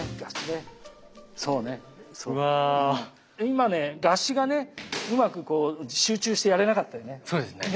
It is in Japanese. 今ね合撃がねうまくこう集中してやれなかったよね。